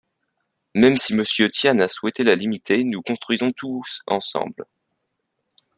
Même si Monsieur Tian a souhaité la limiter, Nous construisons tous ensemble